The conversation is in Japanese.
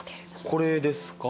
これですか？